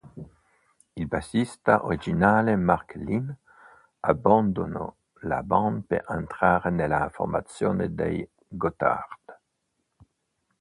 Il bassista originale Marc Lynn, abbandonò la band per entrare nella formazione dei Gotthard.